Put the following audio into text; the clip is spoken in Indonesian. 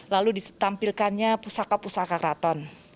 lalu ditampilkannya pusaka pusaka keraton